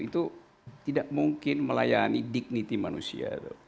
itu tidak mungkin melayani dignity manusia